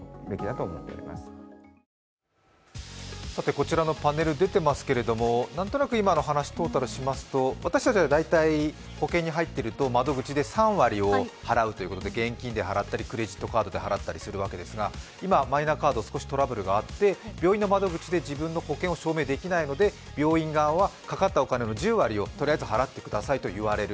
こちらのパネル出ていますけれども、何となく今の話、トータルしますと私たちは大体保険に入っていると窓口で３割を払うということで現金で払ったりクレジットカードで払ったりするわけですが今、マイナカード少しトラブルがあって、病院の窓口で自分の保険を証明できないので病院側はかかったお金の１０割をとりあえず払ってくださいと言われる。